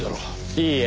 いいえ。